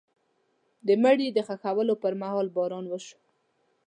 د مړي د ښخولو پر مهال باران وشو.